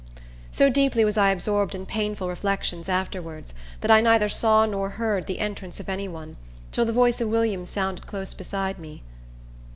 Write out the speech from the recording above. So deeply was I absorbed in painful reflections afterwards, that I neither saw nor heard the entrance of any one, till the voice of William sounded close beside me.